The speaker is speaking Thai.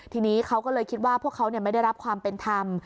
ทีนี้เขาก็เลยคิดว่าพวกเขาไม่ได้รับความเป็นธรรม